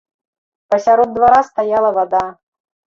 Пасярод двара стаяла вада.